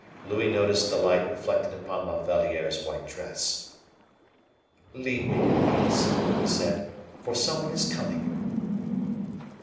Louis noticed the light reflected upon La Valliere's white dress. "Leave me, Louise," he said, "for some one is coming."